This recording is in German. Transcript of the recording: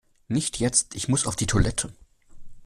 Nicht jetzt, ich muss auf die Toilette!